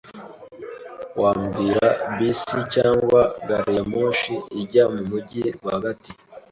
Wambwira bisi cyangwa gariyamoshi ijya mu mujyi rwagati?